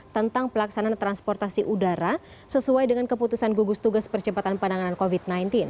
tentang pelaksanaan transportasi udara sesuai dengan keputusan gugus tugas percepatan penanganan covid sembilan belas